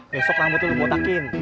besok rambut lu dipotakin